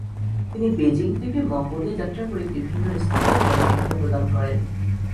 তিনি বেজিং থেকে মঙ্গোলিয়া যাত্রা করে বিভিন্ন স্থানে ধর্মশিক্ষা প্রদান করেন।